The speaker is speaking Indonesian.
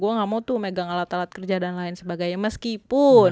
gue gak mau tuh megang alat alat kerja dan lain sebagainya meskipun